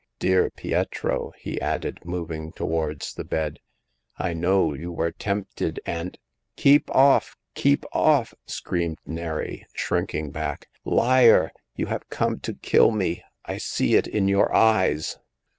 Dear Pietro,'' he added, moving towards the bed, I know you were tempted and "" Keep off ! Keep off !" screamed Neri, shrinking back. " Liar ! you have come to kill me. I see it in your eyes